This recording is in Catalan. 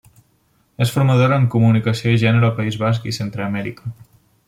És formadora en comunicació i gènere al País Basc i Centreamèrica.